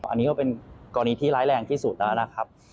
อันนี้ก็เป็นกรณีที่ร้ายแรงที่สุดแล้วนะครับ